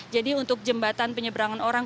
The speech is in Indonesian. jadi untuk jembatan penyeberangan orang